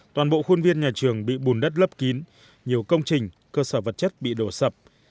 toàn bộ khuôn viên nhà trường bị bùn đất lấp kín nhiều công trình cơ sở vật chất bị đổ sập